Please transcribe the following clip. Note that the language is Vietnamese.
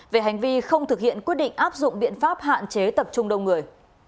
về hành vi không thực hiện quyết định áp dụng biện pháp hạn chế tập trung đông người